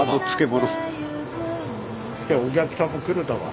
今日はお客さんも来るんだわ。